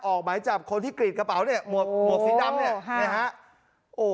ออกหมายจับคนที่กรีดกระเป๋าเนี่ยหมวกหมวกสีดำเนี่ยนะฮะ